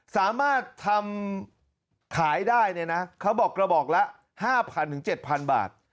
สามารถทำขายได้เนี่ยนะเขาบอกกระบอกละ๕๐๐๗๐๐บาท